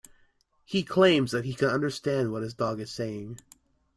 He claims that he can understand what his dog is saying